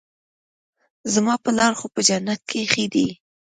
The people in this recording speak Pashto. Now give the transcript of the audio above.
زما پلار خو په جنت کښې دى.